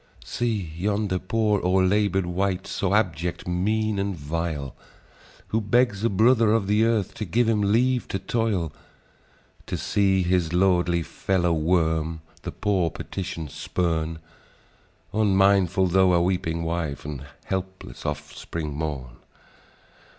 "See yonder poor, o'erlabour'd wight, So abject, mean, and vile, Who begs a brother of the earth To give him leave to toil; And see his lordly fellow worm The poor petition spurn, Unmindful, tho' a weeping wife And helpless offspring mourn.